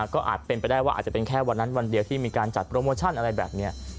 ก็อาจเป็นไปได้ว่าอาจจะเป็นแค่วันนั้นวันเดียวที่มีการจัดโปรโมชั่นอะไรแบบนี้